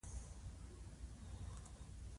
غوا د انساني اقتصاد یوه مهمه برخه ده.